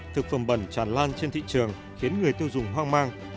thực phẩm bẩn tràn lan trên thị trường khiến người tiêu dùng hoang mang